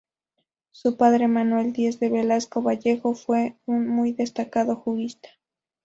Su padre, Manuel Díez de Velasco Vallejo fue un muy destacado jurista.